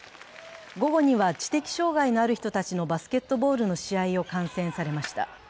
午後には、知的障害のある人たちのバスケットボールの試合を観戦されました。